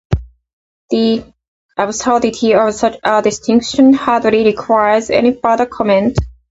The absurdity of such a distinction hardly requires any further comment.